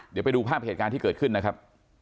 เดี๋ยวไปดูภาพเหตุการณ์ที่เกิดขึ้นนะครับ